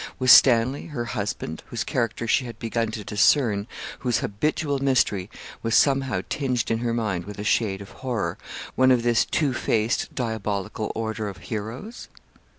Was Stanley her husband whose character she had begun to discern, whose habitual mystery was, somehow, tinged in her mind with a shade of horror, one of this two faced, diabolical order of heroes?